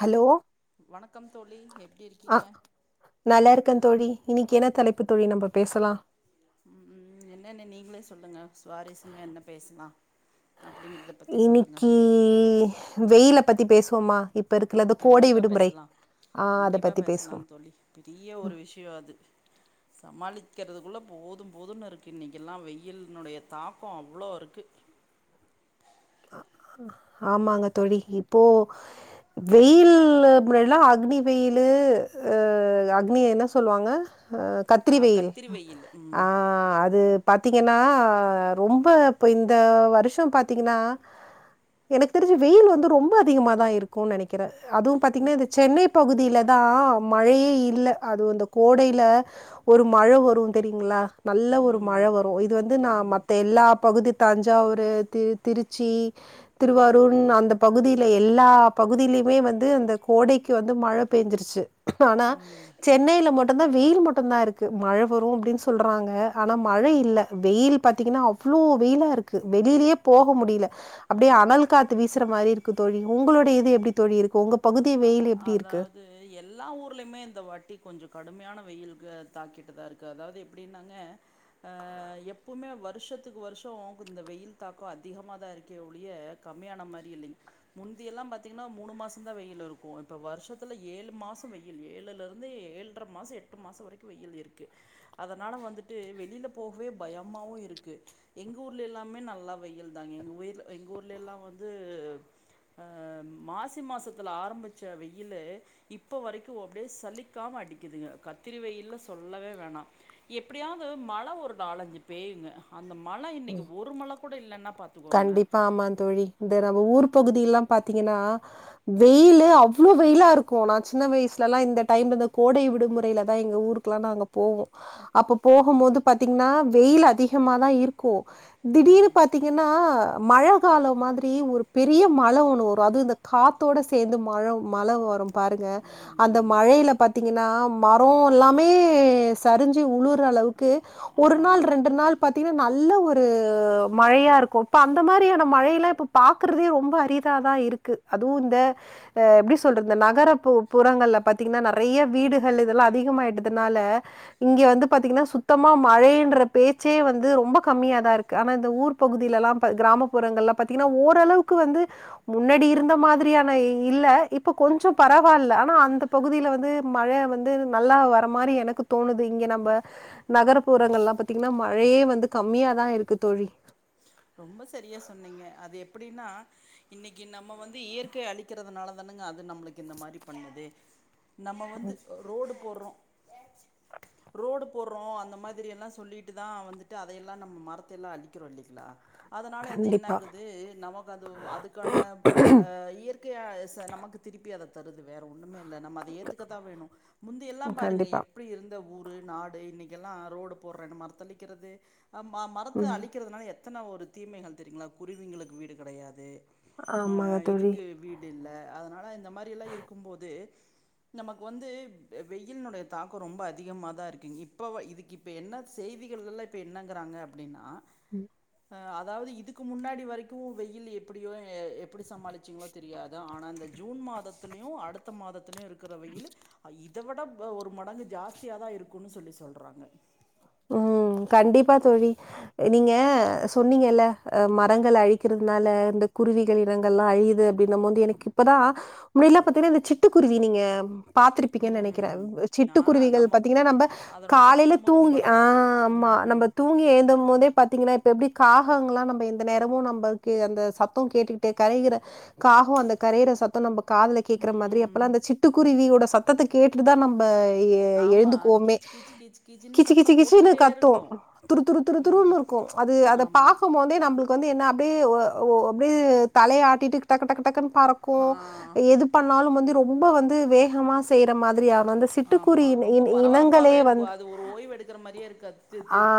Hello வணக்கம் தோழி எப்டி இருக்கீங்க க்க தோழி இன்னிக்கு என்ன தலைப்பு தோழி நம்ம பேசலா உம் என்னன்ன நீங்களே சொல்லுங்க சுவாரசியமா ஏன்னா பேசலாம் இன்னக்கி வெயிலப் பத்தி பேசுவமா இப் கண்டிப்பா பேசலா அத கண்டிப்பா பத்தி பேசலா பேசுவோம் தோழி பெரிய ஒரு ம், விஷயம் அது சமாளிச் க்கிறதுக்குள்ள போதும் போதும்ன்னு இருக்கு இன்னைக்கிகெல்லாம் வெயில்னுடைய தாக்கம் அவ்ளோ இருக்கு ஆமாங்க தோழி இப்போ வெயில் முன்னாடில்லா அக்னி வெயில் அ அக்னி என்ன சொல்லுவாங்க ஆ கத்திரி ஆ வெயில் வெயில் ஆ ம் அது பாத்திங்கன்னா ரொம்ப இப்ப இந்த வருஷம் பாத்தீங்கன்னா எனக்கு தெரிஞ்சு வெயில் வந்து ரொம்ப அதிகமாதா இருக்குனு நினைக்கிற அதுவும் பாத்தீங்கன்னா இந்த சென்னை பகுதியிலத் தா மழையே இல்ல அதுவு இந்த கோடையில ஒரு மழை வரும் தெரியுங்களா நல்ல ஒரு மழை ம் வரும் இது வந்து நா மத்த எல்லா பகுதி தஞ்சாவூரு திரு திருச் ச்சி திருவாரூர் ம் அந்த பகுதியில எல்லா பகுதியிலயுமே வந்து அந்த கோடைக்கு வந்து மழ பெஞ்சிருச்சு ஆனா சென்னையில மட்டும்தா வெயில் மட்டும்தா இருக்கு மழ வரும் அப்டின்னு சொல்றாங்க ஆனா மழை இல்ல வெயில் பாத்தீங்கன்னா அவ்ளோ வெயிலா இருக்கு வெளியிலயே போக முடியல அப்படியே அனல் காத்து வீசுற மாரி இருக்கு தோழி உங்களுடைய இது எப்டி தோழி இருக்கு உங்க பகுத் அதாவது எல்லா ஊர்லயுமே இந்த வாட்டி கொஞ்சம் கடுமையான வெயில் க தாக்கிட்டுதான் இருக்கு அதாவது எப்டின்னாங்க அ எப்பவுமே வருஷத்துக்கு வருஷம் இந்த வெயில் தாக்கம் அதிகமா தான் இருக்கே ஒழிய கம்மியான மாரி இல்லிங் முந்தியெல்லா பாத்தீங்ன்னா மூணு மாசம் தான் வெயில் இருக் கோ இப்ப வருஷத்துல ஏழு மாசம் வெயில் ஏழுல இருந்து ஏழடர மாசம் எட்டு மாசம் வரைக்கும் வெயில் இருக்கு அதனால வந்துட்டு வெளியில போகவே பயமாவும் இருக்கு எங்க ஊர்ல எல்லாமே நல்லா வெயில் தாங்க எங்கவுயர் எங்க ஊர்ல எல்லா வந்து அ மாசி மாசத்துல ஆரம்பி ச வெயில்ல இப்ப வரைக்கும் அப்டிய சலிக்காம அடிக்குதுங்க கத்திரி வெயில்ல சொல்லவே வேணாம் எப்படியாவது மழ ஒரு நாலஞ்சு பேயுங்க அந்த மழ இன்னைக்கு ஒரு மழ கூட இல்ன்னா பாத்துக்கோங்களேன் பகுதிய எல்லாம் பாத்தீங்கன்னா வெயிலே அவ்ளோ வெயிலா இருக்கும் ந சின்ன வயசுலல்லாம் இந்த டைம்ல கோடை விடுமுறைலதான் எங்க ஊருக்குல்லா நாங்க போவோம் அப்ப போகும் போது பாத்தீங்கன்னா வெயில் அதிகமா தான் இருக் க்கோ ம் திடீர்னு பாத்தீங்கன்னா மழ காலம் மாதிரி ஒரு பெரிய மழ ஒன்னு வரும் அதுவும் இந்த காத்தோட சேர்ந்து மழவ் மழவு வரும் பாருங்க அந்த ம் மழையில பாத்தீங்கன்னா மரம் எல்லாமே சரிஞ்சு உளுர அளவுக்கு ஆ ஒரு நாள் ரெண்டு நாள் பாத்தீங்கன்னா நல் நல்ல ஒரு மழையா இருக்கும் இப்ப அந்த மாதிரியான மழையெல்லா இப்ப பாக்குறதே ரொம்ப அரிதாதான் இருக்கு அதுவும் இந்த ஹ எப்டி சொல்றது இந்த நகர புறங்கள்ல பாார்த்தீங்கன்னா நிறைய வீடுகள் இதெல்லா அதிகமாயிட்டதுனால இங்க வந்து பாத்தீங்கன்னா சுத்தமா மழைன்ற பேச்சே வந்து ரொம்பக் கம்மிய தான் இருக்கு ஆனா இந்த ஊர் பகுதியில எல்லா கிராமப்புறங்கள்லா பத்தீங்கன்னா ஓரளவுக்கு வந்து முன்னாடி இருந்த மாதிரியான இல்ல இப்ப கொஞ்சோ பரவால்ல ஆனா அந்த பகுதியில வந்து மழ வந்து நல்லா வர மாரி எனக்கு தோணுது இங்க நம்ம நகர்புறங்கள்லா பத்தீங்கன்னா மழையே வந்துக் கம்மியாதான் இருக்கு தோழி ரொம்ப சரியா சொன்னீங்க அது எப்படின்னா இன்னைக்கு நம்ம வந்து இயற்கை அழிக்கிறதுனால தானுங்க அது நம்மளுக்கு இந்த மாரி பண்ணுதே நம்ம வந்து ரோடு போறோம் ரோடு போடுறோம் அந்த மாதிரி எல்லா சொல்லிட்டு தான் வந்துட்டு அதையெல்லா நம்ம மரத்தை எல்லா அழிக்கிறோம் இல்லைய கிலா அதனால அது கண்டிப்பா என்னாகுது நமக்கு அது அதுக்கான இயற்கையை ச நமக்கு திருப்பி அத தருது வேற ஒண்ணுமே இல்ல நம்ம அத ஏத்துக்கத்தான் வேணும் முந்தியெல்லா பாருங்க கண்டிப்பா. எப்படி இருந்த ஊர் டு நாடு இன்னைக்கு எல்லா ரோடு போடுறேன்ன மரத்தளிக்கிறது ம மரத்தை ம். அழிக்கிறதுனால எத் எத்தன ஒரு தீமைகள் தெரியுங்களா குருவிங்களுக்கு வீடு கிடையாது ஆமாங்க அஹ் தோழி. இதுக்கு வீடு இல்ல அதனால இந்த மாரியெல்லா இருக்கும்போது நமக்கு வந்து வெயிலினுடைய தாக்கம் ரொம்ப அதிகமாக தான் இருக்குங்க இப்போ இதுக்கு இப்போ என்ன செய்திகள்லா இப்போ என்னங்கிறாங்க அப்படின்னா உம் அதாவது இதுக்கு முன்னாடி வரைக்கும் வெயில் எப்படியோ எ எப் எப்டி சமாளிச்சுங்களோ தெரியாதா ஆனா இந்த ஜூன் மாதத்துலயும் அடுத்த மாதத்துலயும் இருக்கிறவையில் இத விட ஒரு மடங்கு ஜாஸ்தியாக தான் இருக்குன்னு சொல்லி சொல்றாங்க உஹம் கண்டிப்பா தோழி நீங்க சொன்னீங்கல்ல அஹ் மரங்கள் அழிக்கிறதுனால இந்த குருவிகள் இனங்கள் எல்லா அழியுது அப்டின போது எனக்கு இப்பதான் முன்னல்லாம் பாத்தீங்கன்னா இந்த சிட்டுக்குருவி நீங்க பாத்திருப்பீங்கன்னு நினைக்கிறேன் ம் நா சிட்டுக்குருவிகள் பா்த்தீங்கன்னா நம்ம அதனோட காலையில சத்தமு ரொம்ப தூங்கி ஆஹ் நல்லாருக்கு ம் ஆம்மா நம்ம தூங்கி எழுந்தும் போதே பா்த்தீங்கன்னா இப்ப எப்படி காகாங்கலா நம்ம எந்த நேரமும் நம்மகே அந்த சத்தம் கேட்டுக்கிட்டே கரைகிற காகம் அந்த கரையிற சத்தம் நம்ம காதல ம் கேக்குற மாதிரி ம் அப்பல்லா அந்த சிட்டுக்குருவியோட சத் சத்தத்தை கேட்டுட்டுதான் நம்ப எ ஆமா அது கீச்சு கீச்சு கீச்சு கீச்சுன்னனு சத்தம் கிசுனு போட்டுக்கிட்டே கத்தும் இருக்கு துரு துரு துரு ம் துருன்னு இருக்கும் அது அத ஆமா பார்க்கும் போதே நம்மளுக் வந்து என்ன அப்படியே ஒ ஒ அப்படியே தலைய ஆட்டிட்டுட டக்டக்டக்குன்ன ஆ பறக்கும் எது பண்ணாலும் வந்து ரொம்ப வந்து வேகமா செய்யற மாதிரி ஆ ஆமா ரொம்ப பரபரப்பாவே இருக்கும் வந்து அது ஒரு ஓய்வ எடுத் பாக்றமாரியே இருக்கா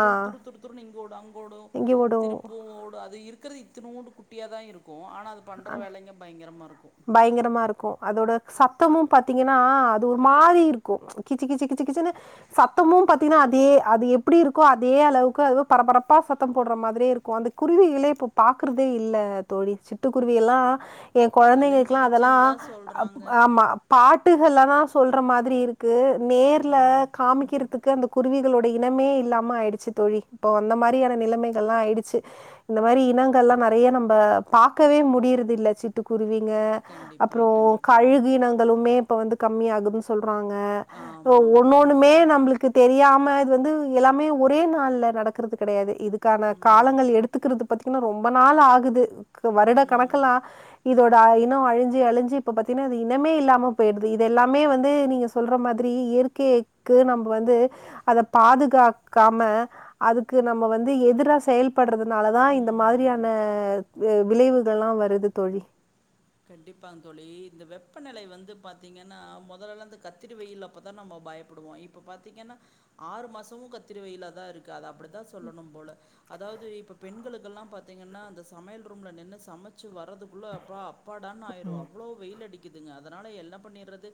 தூ தரு துர் தூர் நீங்க கோடாங் ஓடும் எங்க திருப்ப ஓடும் ஓடும் அது இருக் இருக்கது இத்தனூண்டு குட்டியா தா இருக் க்கு ஆனா அது பண்ற வேலைங்க பயங்கரமா இருக்கு சத்தமு பாத்தீங்கன்னா அது ஒரு மாரி இருக்கும் கிச்சி கிச்சி கிச்சி கிச்சுன்னு சத்தமு பாத்தீங்கன்னா அதே அது எப்படி இருக்கோ அதே அளவுக்கு அது பரபரப்பா சத்தம் போடுற மாதிரியே இருக்கு அந்த குருவிகளைே இப்ப பாக்குறதே இல்ல தோழி ச் ட்டுக்குருவியலா ஏ கொழந்தைங்களுக்குெல்லா அதெல்லா அழிஞ்சிருச்சுன்னு தா சொல்றாங்க அம் ஆமா பா வட்டுகள்லதா சொல்ற மாதிரி இருக்கு நேர்ல ம் காமிக்கிறதுக்கு அந்த குருவி ளுடைய இனமே இல்லாம ஆயிடுச்சு தோழி இப்ப அந்த மாரியான நிலைமைகள்ல்லா ஆயிடுச்ச இந்த மாரி இனங்கள்லா நெறைய நம்ப பா பாக்கவே முடியுறதில்ல சிட்டுக்குருவி ங்க கண்டிப்பா அப்புறோ கண்டிப்பாங்க கழுகினங்களுமே இப்ப வந்து கம்மி ஆகுதுன்னு சொல் வாங்க ஒன்னொண்ணுமே ஆமாமாமாங்க நம்ளுக்கு தெரியா ம இது வந்து எல்லாமே ஒரே நாள்ல நடக்கறது கெடையாது இதுக்கான ம் காலங்கள் எடுத்துக்கிறது பத் தி ரொம்ப நாள் ஆகுது கு வருட ம் கணக்கெலா இதோ இனொ அழிஞ்சி அழிஞ்சு இப்ப பாத்தீங்கன்னா அது இனமே இல்லாம போய்டுது இது எல்லாமே வந்து நீங்க சொல்ற மாதிரி இயற்கைக்கு நம்ப வந்து அத பாதுகாக்காம அதுக்கு நம்ம வந்து எதிரா செயல்படுறதுனாலதா இந்த ம் மாதிரியான க விளைவுகள்லா வருது தோழி கண்டிப்பாங்க தோழி இந்த வெப்பநிலை வந்து பாத்தீங்கன்னா மொதல்லல்லா இந்த கத்திரி வெயில் அப்பதா நம்ம பயப்படுவோ இப்ப பாத்தீங்கன்னா ஆறு மாசமு கத்திரி வெயில்லாதா இருக்கு அது அப்டி தா சொல்லணு போல அதாவது இப்ப பெண்களு கெல்லா பாத்தீங்கன்னா அந்த சமையல் ரூம்ல நின்னு சமைச்சு வர்றதுக்குள்ள அப்பா அப்பாடான்னு ஆயிரு ம் அவ்ளோ வெயில் அடி க்குதுங்க அதனால என்ன பண்ணிறது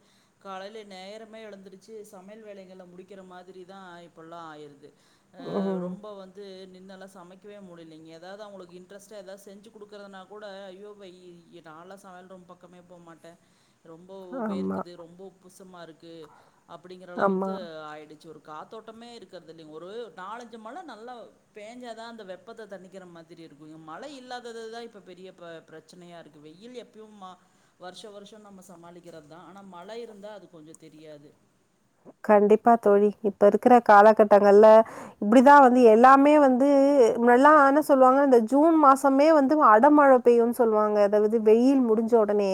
காலையில நேரமே எழந்திருச்சு சமையல் வேலைகள முடிக்கிற மாதிரிதா இப்பொல்லா ஆயிருது ஆ ம் ரொம்ப வந்து என்னால சமைக்கவே முடிலீங் ஏதாவது அவங்களுக்கு இன்ட்ரெஸ்டா ஏதாவது செஞ்சு கொடுக்கறதுனா கூட ஐய்யோ வெயில் நால்லா சமையல் ரூம் பக்கமே போமாட்டே ரொம்ப ஆமா, வேர்க்குது ரொம்ப உப்புசமா இருக்கு அப்படிங்கிற ஆமா. அளவுக்கு ஆயிடுச்சு ஒரு காத்தோட்டமே இருக்கிறதில்லைங் ஒரு நாலஞ்சு மழ நல்லா பேஞ்சாதா அந்த வெப்பத்த தண்ணிக்கிற மாதிரி இருக்கு மழை இல்லாததுதா இப்ப பெரிய ப பிரச்சனையா இருக்கு வெயில் எப்பயு மா வருஷொ வருஷொ நம்ம சமாளிக்கறதுதா ஆனா மழை இருந்தா அது கொஞ்செ தெரியாது கண்டிப்பா தோழி இப்ப இருக்கிற காலகட்டங்கள்ல இப்டிதா வந்து எல்லாமே வந்து முன்னெல்லா என்ன சொல்லுவாங்க இந்த ஜூன் மாசமே வந்து அடமழ பெய்யுன் சொல்வாங்க அதாவது வெயில் முடிஞ்சொடனே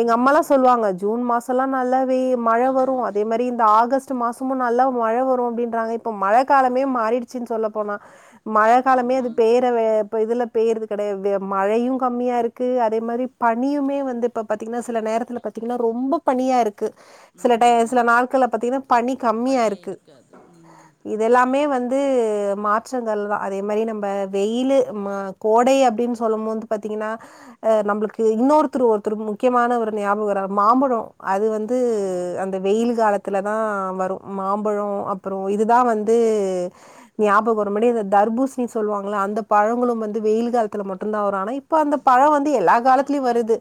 எங்க அம்மால்லா ம் சொல்வாங்க ஜூன் மாசல்லா நல்லா வே மழ வரு ஆமாங்க அதே மாரி இ [unintelligible] மாசமு நல்லா மழ வரு அப்படின்றாங்க இப்ப மழ காலமே மாறிருச்சுன்னு சொல்லப்போனா மழ காலமே அது ஆமாங்க பெய்றவே இப்ப இதுல பெய்யறது கெடையா மழையு கம்மியா இருக்கு அதே மாரி பனியுமே வந்து இப்ப பாத்தீங்ன்னா சில நேரத்தில பாத்தீங்ன்னா ரொம்ப பனியா இருக் கு சில டே ம். சில நாள்க் கள்ல பாத்தீன்னா பனி கம்மியா பனியே இருக்கு இருக்காது. ம். இதெல்லாமே வந்து து மாற்றங்கள் தா அதே மாரி நம்ம வெயிலு ம கோடை அப்டின்னு சொல்லும் போது பாத்தீங்கன்னா நம்மளுக்கு இன்னொருத்தர் ஒருத்தர் முக்கியமான ஒரு ஞாபக வராரு மாம்பழொ அது வந்து ஆமா, ஆமா. அந்த வெயில் காலத் லதா வரு மாம்பழொ அப்புற இதுதா வந்து ஞாபக வருமடி தர்பூஷ்ணின்னு சொல்லுவாங்ள அந்த பழங்களு வந்து வெயில் காலத்துல மட்டுந்தா வரு ஆனா இப்ப அந்த பழொ வந்து எல்லா அ, காலத்துலயு ஆ. வருது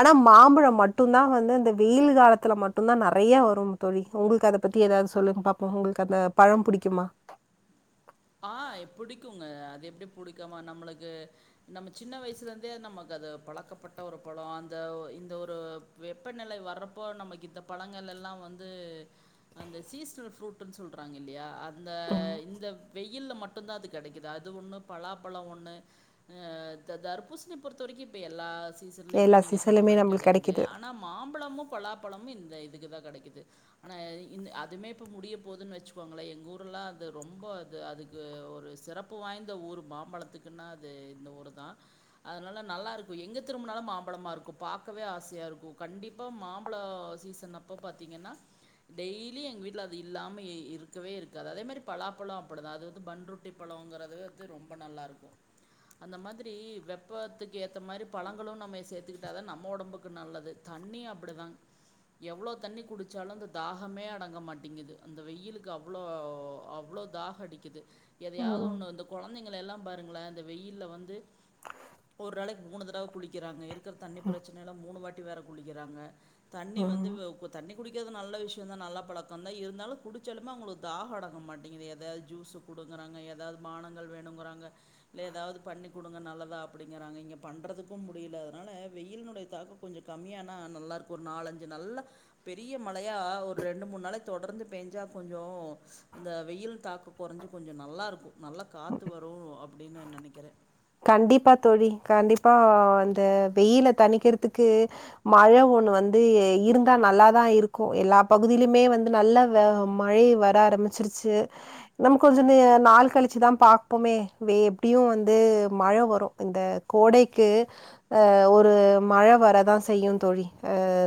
ஆனா மாம்பழொ மட்டுந்தா வந்து இந்த வெயில் காலத்துல மட்டுந்தா நறைய வரு தோழி உங்குள்கு அத பத்தி ஏதாவது சொல்லுங்க பாப்போ உங்குள்கு அந்த பழம் புடிக்குமா ஆ புடிக்குங்க அது எப்படி புடிக்காம நம்ளுக்கு நம்ம சின்ன வயசுலருந்தே நமக்கு அது பழக்கப்பட்ட ஒரு பழொ அந்த இந்த ஒரு வெப்பநிலை வர்றப்போ நமக்கு இந்த பழங்களெல்லா வந்து அந்த சீசனல் ஃப்ரூட்ன்னு சொல்றாங்க இல்லையா அந்த இந்த இல்ல மட்டுந்தா அது கெடைக்குது அது ஒண்ணு பலாப்பழொ ஒண்ணு இந்த தர்பூசணி பொறுத்த வரைக்கு இப்ப எல்லா சீசன்லயுமே எல்லா நீங்க சொன்ன சீசன்லயுமே மாரி நம்மளுக்கு கெடைக்குது கிடைக்குது. ஆனா மாம்பழமு பலாப்பழமு இந்த இதுக்குதா கெடக்குது ஆனா இ அதுமே இப்ப முடிய போதுன்னு வச்சுக்கோங்ளே எங்க ஊர்ல்லா அது ரொம்ப அ அதுக்கு ஒரு சிறப்பு வாய்ந்த ஊர் மாம்பழத்துக்குன்னா அது இந்த ஊர் தா அதனால நல்லா இருக்கும் எங்கே திரும்பினாலும் மாம்பழமா ருக்கும் பார்க்கவே ஆசையாக இருக்கு கண்டிப்பாக மாம்பழம் சீசன் அப்போ பாத்தீங்கன்னா டெய்லி எங்க வீட்டில அது இல்லாம இருக்கவே இருக்காது அதே மாரி பலாப்பழம் அது வந்து பண்ட்டி பழங்கறது ரொம்ப நல்லாருக்கும் அந்த மாதிரி வெப்பத்துக்கு ஏத்த மாரி பழங்களும் நம்ம சேத்துக்கிட்டா தான் நம்ம ஒடம்புக்கு நல்லது தண்ணி அப்படிதா எவ்ளோ தண்ணி குடிச்சாலும் இந்த தாகமே அடங்க மாட்டேங்குது இந்த வெயிலுக்கு அவ்ளோ அவ்ளோ தாகோ அடிக்குது எதையாவது ம். ஒண்ணு இந்த கொழந்தைங்கலெல்லா பாருங்களே இந்த வெயில்ல வந்து ஒரு நாளைவுக்கு மூணு தடவ குளிக்கிறாங்க இருக்கிற தண்ணி பிரச்சனையில்ல மூணு வாட்டி வேற குளிக்கிறாங்க தண்ணி வந்து ம். தண்ணி குடிக்கிறது நல்ல விஷயந்தா நல்ல பழக்கம் தா இருந்தாலு குடிச்சாலுமே அவங்களுக்கு தாகோ அடங்க மாட்டேங்குது ஏதாவது ஜூஸு கொடுங்கறாங்க ஏதாவது பானங்கள் வேணுங்கிறாங்க இல்ல ஏதாவது பண்ணி குடுங்க நல்லதா அப்படிங்கிறாங்க இங்க பண்ணுறதுக்கும் முடியல அதனால வெயில்னுடைய தாக்கம் கொஞ்ச கம்மியானா நல்லார்க்கும் ஒரு நாலஞ்சு நல்லா பெரிய மழையா ஒரு ரெண்டு மூணு நளை தொடர்ந்து பெஞ்சா கொஞ்சோ இந்த வெயில் தாக்க கொறஞ்சு கொஞ்சு நல்லாருக்கு நல்லா காத்து வரு அப் அப்டி நா நெனக்கிற கண்டிப்பா தோழி கண்டிப்பா அந்த வெயில தனிக்கிறதுக்கு மழ ஒண்ணு வந்து இருந்தா நல்லாதா இருக்கு எல்லா பகுதியிலுமே வந்து நல்லா மழை வர ஆரம்பிச்சிருச்சு நம்ம கொஞ்சு நாள் கழிச்சுதா பாப்போமே எப்படியு வந்து மழ வரு இந்த கோடைக்கு ஒரு மழ வரதா செய்யு தோழி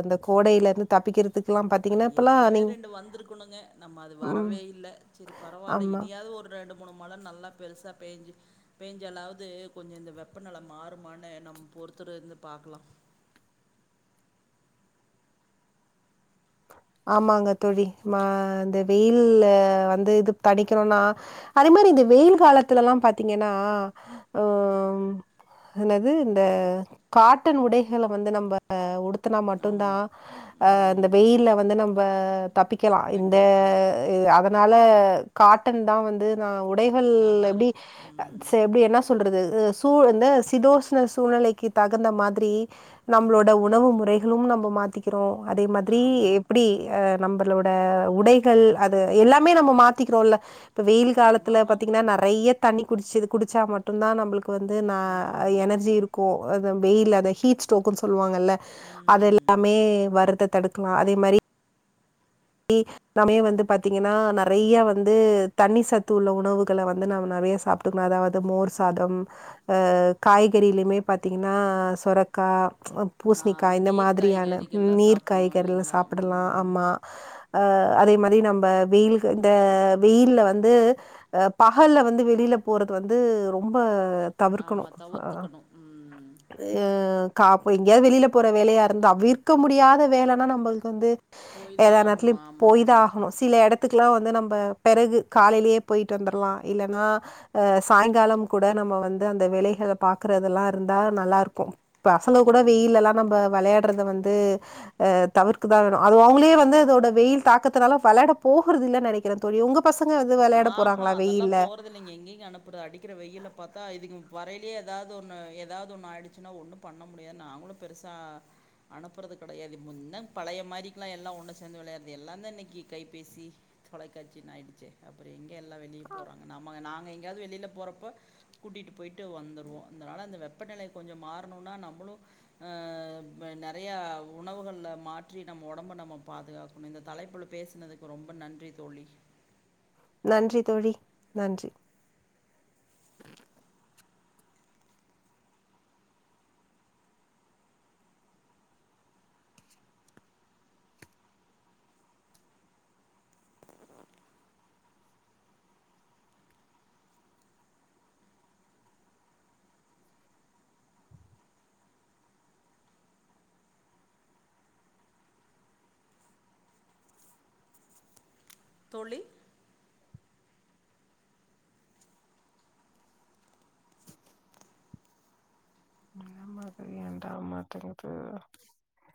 இந்த கோடையிலருந்து தப்பிக்கிறதுக் அது ஏற்கனவே ரெண்டு வந்திருக்கணுங்க நம்ம அது ம். வரவே இல்ல சரி பரவால்ல ஆமா. இனியாவ்து ஒரு ரெண்டு மூணு மழ நல்லா பெருசா பேஞ்சு பேஞ்சாளாவது கொஞ்சொ இந்த வெப்பநெல மாறுமான்னு நம்ம பொறுத்திருந்து பாக்கலா ஆமாங்க தோழி இந்த வெயில்ல வந்து இது தணிக்கணும்னா அதே மாரி இந்த வெயில் காலத்துலல்லா பாத்தீங்கன்னா ம் என்னது இந்த காட்டன் உடைகள வந்து நம்ம உடு னா மட்டுந்தா ஆமா. ம். இந்த வெயில்ல வந் நம்ப தப்பிக்கலா இந்த கண்டிப்பாங்க. அதனால காட்டன் தா வந்து உடைகள் எப்டி நல்லாருக்கும். ம். ச எப்டி என்ன சொல்றது சூ இந்த சிதோஷ்ண சூழ்நெலைக்கு தகுந்த மாத்ரி நம்மளோட உணவு முறை னும் நம்ப மாத்திக்கிறோ அதே மாதிரி ஆமா. அஹ் நம்மளோட உடைகள் அது எல்லாமே நம்ம மாத்திக்கிறோல்ல இப்போ வெயில் காலத்துல ஆமாமாங்க. பாத்தீங்கன்னா நெறைய தண்ணி குடிச்சுது குடிச்சா மட்டுந்தா நம்பளுக்கு வந்து ந ம். எனர்ஜி இருக்கு அது வெயில் அத ஹீட் ஸ்டோகுன்னு சொல்லுவாங்கல்ல அது ம். எல்லாமே வரத தடுக்கலா அதே மாரி இ நம்மே வந்து பாத்தீங்கன்னா நெறைய வந்து தண்ணி சத்து உள்ள உணவுகள வந்து நம்ம நெறைய சாப்ட்டுக்கணு அதாவது மோர் சாதம் அஹ் காய்கறிலயுமே பாத்தீங்கன்னா சொரக்கா அ ஆ பூசணிக்கா அந்த இந்த நீர் மாதிரியான காய்கறிகள்லாம் நீர் சாப்புட்ணும் காய்கறில இல்லைங்களா? சாப்பிட்லா ம். அமா அஹ் அதே மாரி நம்ப வெயில் இந்த வெயில்ல வந்து அஹ் பகல்ல வந்து வெளில போறது வந்து ரொம்ப ஆமா. தவிர்க்கணு அஹ் தவிர்த்துக்கணும். ம். அதூ காப்பு எங்கேயாவது வெளியில போற வேலையா இருந்தா தவிற்க முடியாத வேலன்னா நம்மளுக்கு வந்து போய் எதா தான் நேத்துலயு ஆகணும். ஆமா. போய்தா ஆகணு கண்டிப்பாங்க. சில எடத்துக்குல்லா வந்து நம் ப பெறகு காலையிலேயே போயிட்டு வந்துர்லா இல்லன்னா அஹ் சாயங்காலம் கூட நம்ம வந்து அந்த வேலைகள பாக்குறதெல்லா இருந்தா நல்லாருக்கு பசங்க கூட ம். வெயிலெல்லா நம்ப வெளையாட்றத வந்து ஆ தவிர்த்து தா ஆகனு அது அவுங்களே வந் து இதோட வெயில் தாக்கத்தனால வெள்ளாட போகுறது இல்ல நெனைக்கிறே தோழி உங்கப் ஆஹ்ஹா அதெல்லா போறதில்லைங்க எங்கங்க அனுப்புறது அடிக்கிற வெயில பாத்தா இதுங்க வரையிலயே ஏதாவது ஒன்னு ஏதாவது ஒன்னு ஆய்டுச்சுன்னா ஒன்னு பண்ண முடியாது நாங்களு பெருசா அனுப்புறது கெடையாது முன்ன பழைய மாதிரிக்கெலா எல்லா ஒன்னு சேர்ந்து வெளையாடுது எல்லா தா இன்னைக்கி கைபேசி தொலைக்காட்சின்னு ஆயிடுச்சே அப்புற எங் க எல்லா வெளியே போறாங்க நம்ம நாங்க எங் கேயாவது வெளியில போறப்பொ கூட்டிட்டு போயிட்டு வந்துருவோ அதனால அந்த வெப்பநிலை கொஞ்சொ மாறணுனா நம்மளு அஹ் நறைய உணவுகள்ல மாற்றி நம்ம ஒடம்ப நம்ம பாதுகாக்கணு இந்த தலைப்புல பேசுனதுக்கு ரொம்ப நன்றி தோழி நன்றி தோழி நன்றி தோழி ஆமா தோழி விடாவமாட்டேங்குது